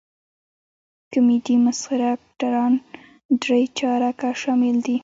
کمیډي مسخره اکټران درې چارکه شامل دي.